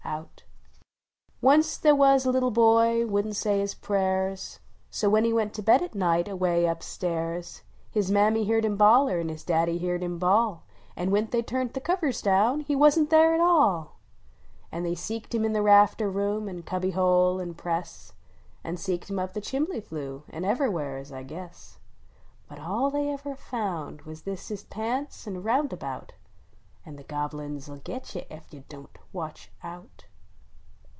LITTLE ORPHANT ANNIE Onc t they was a little boy wouldn t say his prayers, So when he went to heel at night, away up stairs, His Clammy heerd him holler, an his Daddy heerd him bawl, An when they turn t the kivvers down, he wasn t there at all ! An they seeked him in the rafter room, an cubby hole, an press. An seeked him up the ehimbly flue, an ever wheres, I guess ; But all they ever found was thist his pants an rounda bout : An the Gobble uns ll git you Ef you Don t \Yatch Out!